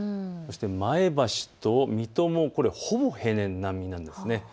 そして前橋と水戸もほぼ平年並みなんです。